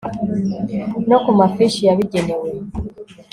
no ku mafishi yabigenewe